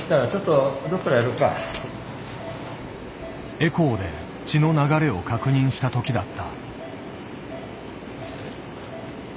エコーで血の流れを確認した時だった。